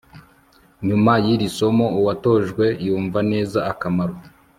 nyuma y'iri somo, uwatojwe yumva neza akamaro